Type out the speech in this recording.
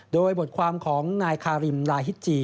โดยบทความของนายคาริมลาฮิตจี